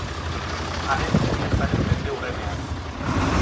Haren heriotzaren mendeurrenean.